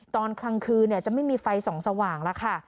ตอนกลางคืนจะไม่มีไฟส่องสว่างแล้วค่ะ